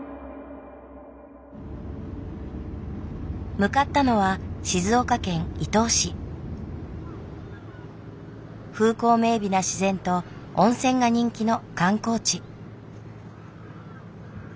向かったのは風光明美な自然と温泉が人気の観光地。